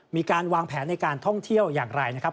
มีการวางแผนในการท่องเที่ยวอย่างไรนะครับ